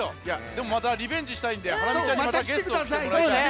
でもまたリベンジしたいんでハラミちゃんにまたゲストできてもらいたい。